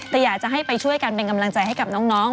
แต่อยากจะให้ไปช่วยกันเป็นกำลังใจให้กับน้อง